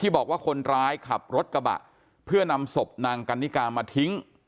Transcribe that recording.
บอกว่าคนร้ายขับรถกระบะเพื่อนำศพนางกันนิกามาทิ้ง